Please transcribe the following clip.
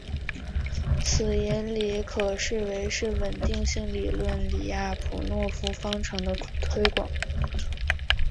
此引理可以视为是稳定性理论李亚普诺夫方程的推广。